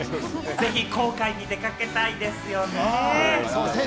ぜひ航海に出かけたいですよね。